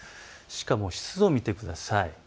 しかも湿度を見てください。